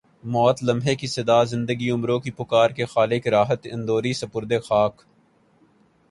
موت لمحے کی صدا زندگی عمروں کی پکار کے خالق راحت اندوری سپرد خاک